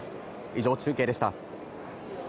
以上、中継でした。